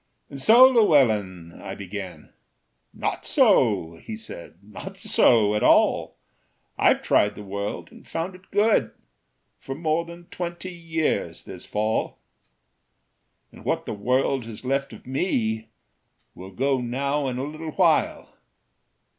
"And so, Llewellyn," I began "Not so," he said; "not so, at all: I've tried the world, and found it good, For more than twenty years this fall. "And what the world has left of me Will go now in a little while."